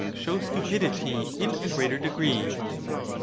show stupidity in a greater degree